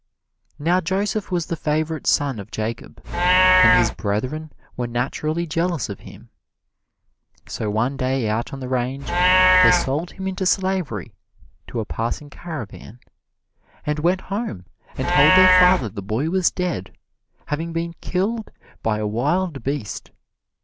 Now Joseph was the favorite son of Jacob, and his brethren were naturally jealous of him. So one day out on the range they sold him into slavery to a passing caravan, and went home and told their father the boy was dead, having been killed by a wild beast.